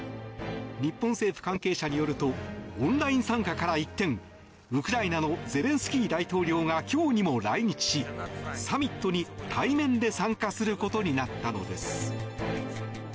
日本政府関係者によるとオンライン参加から一転ウクライナのゼレンスキー大統領が今日にも来日しサミットに対面で参加することになったのです。